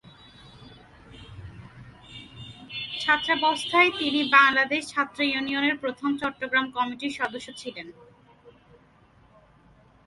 ছাত্রাবস্থায় তিনি বাংলাদেশ ছাত্র ইউনিয়নের প্রথম চট্টগ্রাম কমিটির সদস্য ছিলেন।